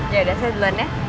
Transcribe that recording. yaudah saya duluan ya